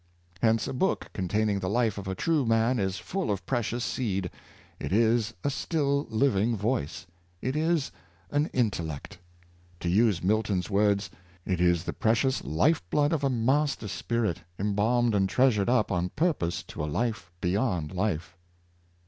Hence a book containing the life of a true man is full of precious seed. It is a still living voice: it is an intellect. To use Milton's words, " It is the precious life blood of a master spirit, embalmed and treasured up on purpose to a life beyond life.''